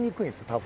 多分。